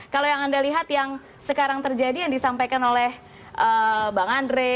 kalau yang anda lihat yang sekarang terjadi yang disampaikan oleh bang andre